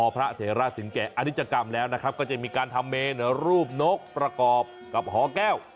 พระเถระถึงแก่อนิจกรรมแล้วนะครับก็จะมีการทำเมนรูปนกประกอบกับหอแก้ว